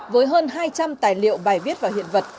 với hơn hai trăm linh tài liệu bài viết và hiện vật